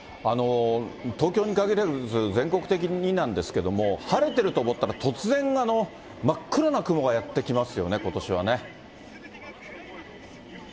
東京にかぎらず、全国的になんですけれども、晴れてると思ったら突然、真っ黒な雲がやって来ますよね、ことしはね。